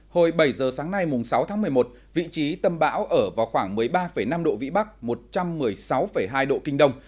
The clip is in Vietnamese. hồi bảy giờ sáng nay sáu tháng một mươi một vị trí tâm bão ở vào khoảng một mươi ba năm độ vĩ bắc một trăm một mươi sáu hai độ kinh đông